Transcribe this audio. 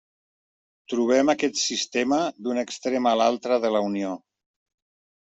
Trobem aquest sistema d'un extrem a l'altre de la Unió.